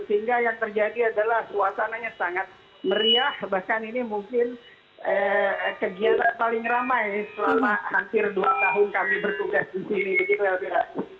sehingga yang terjadi adalah suasananya sangat meriah bahkan ini mungkin kegiatan paling ramai selama hampir dua tahun kami bertugas di sini